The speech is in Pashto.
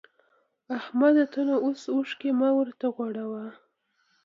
احمده! ته نو اوس اوښکی مه ورته غوړوه.